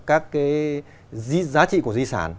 các giá trị của di sản